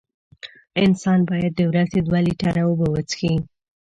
انسان باید د ورځې دوه لېټره اوبه وڅیښي.